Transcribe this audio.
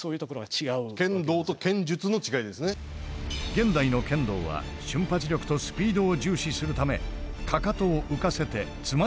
現代の剣道は瞬発力とスピードを重視するためかかとを浮かせてつま先で立つ。